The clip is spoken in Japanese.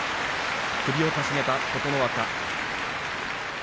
首をかしげた琴ノ若。